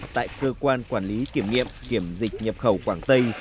tại cơ quan quản lý kiểm nghiệm kiểm dịch nhập khẩu quảng tây